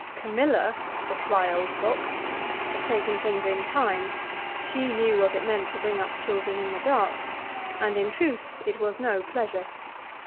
Camilla, the sly old fox, had taken things in time; she knew what it meant to bring up children in the dark, and, in truth, it was no pleasure.